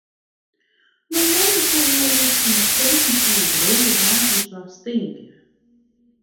No moandei soe wolris yn it teken fan in grutte waarsomslach stean kinne.